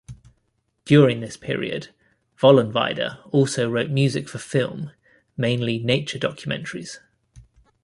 During this period, Vollenweider also wrote music for film, mainly nature documentaries.